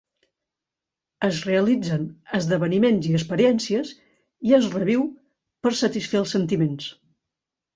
Es realitzen esdeveniments i experiències i es reviu per satisfer els sentiments.